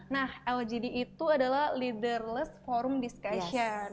nah lgd itu adalah leaderless forum discussion